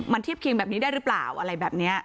มันเทียบเคียงแบบนี้ได้หรือเปล่าอะไรแบบนี้